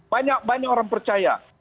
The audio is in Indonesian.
banyak banyak orang percaya